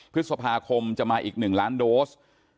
พฤษภาคมจะมาอีก๑ล้านโดส